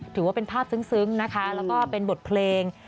ถือว่าเป็นภาพซึ้งนะคะแล้วก็เป็นบทเพลง